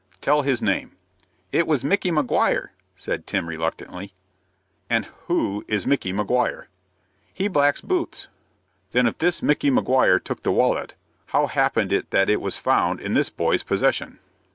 "Tell his name." "It was Micky Maguire," said Tim, reluctantly. "And who is Micky Maguire?" "He blacks boots." "Then if this Micky Maguire took the wallet, how happened it that it was found in this boy's possession?"